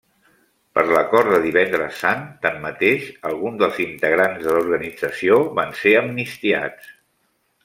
Per l'acord de Divendres Sant, tanmateix, alguns dels integrants de l'organització van ser amnistiats.